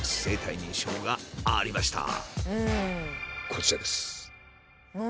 こちらです。